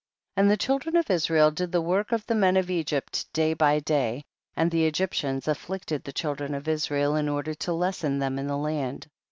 And the children of Israel did the work of the men of Egypt day by day, and the Egyptians afflicted the children of Israel in order to les sen them in the land.